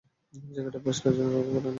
জায়গাটা পরিষ্কারের জন্য কাউকে পাঠানো লাগবে।